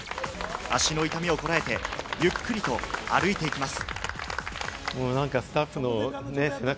足の痛みをこらえて、ゆっくりと歩いていきます。